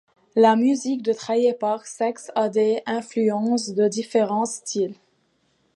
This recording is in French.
La musique de Trailer Park Sex a des influences de différents styles.